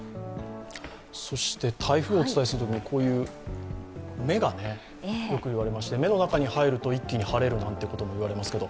そして台風をお伝えするときに目がよくいわれまして、目の中に入ると、一気に晴れるみたいなこと、いわれますけど